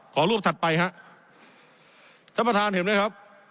ขอรูปถัดไปฮะท่านประธานเห็นไหมครับ